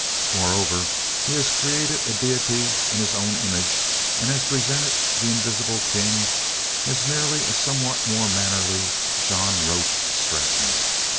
Moreover, he has created a deity in his own image and has presented the invisible king as merely a somewhat more mannerly John Roach Straton.